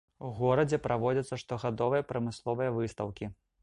У горадзе праводзяцца штогадовыя прамысловыя выстаўкі.